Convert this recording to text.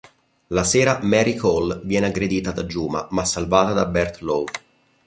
La sera Mary Cole viene aggredita da Juma ma salvata da Bert Lowe.